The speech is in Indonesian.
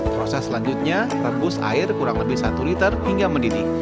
proses selanjutnya rebus air kurang lebih satu liter hingga mendidih